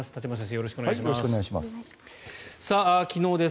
よろしくお願いします。